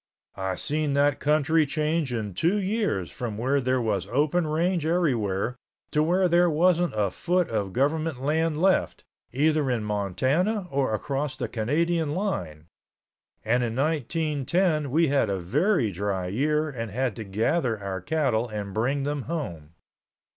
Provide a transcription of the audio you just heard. I seen that country change in two years from where there was open range everywhere to where there wasn't a foot of government land left, either in Montana or across the Canadian line, and in 1910 we had a very dry year and had to gather our cattle and bring them home.